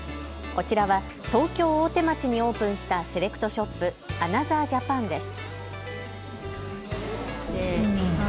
こちらは東京大手町にオープンしたセレクトショップアナザージャパンです。